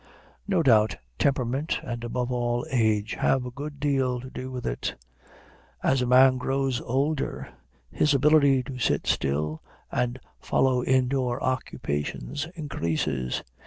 No doubt temperament, and, above all, age, have a good deal to do with it. As a man grows older, his ability to sit still and follow indoor occupations increases.